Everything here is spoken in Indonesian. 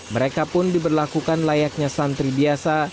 mereka pun diberlakukan layaknya santri biasa